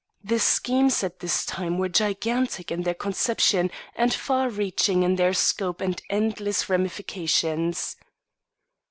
The schemes at this time were gigantic in their conception and far reaching in their scope and endless ramifications.